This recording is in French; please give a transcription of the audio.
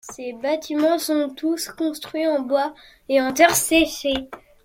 Ces bâtiments sont tous construits en bois et en terre séchée.